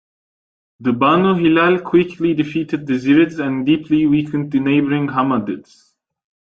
The Banu Hilal quickly defeated the Zirids and deeply weakened the neighboring Hammadids.